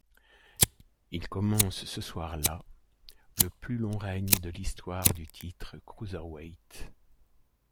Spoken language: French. Il commence ce soir là le plus long règne de l'histoire du titre Cruiserweight.